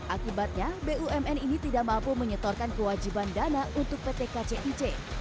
akibatnya bumn ini tidak mampu menyetorkan kewajiban dana untuk pt kcic